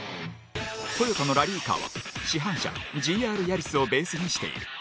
トヨタのラリーカーは市販車、ＧＲヤリスをベースにしている。